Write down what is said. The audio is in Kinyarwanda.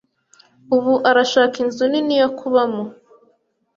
Ubu arashaka inzu nini yo kubamo.